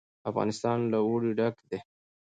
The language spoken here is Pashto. افغانستان له اوړي ډک دی.